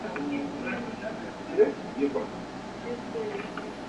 La banda sonora se basa en Danny Elfman la partitura de la película.